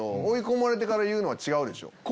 追い込まれてから言うのは違うでしょ。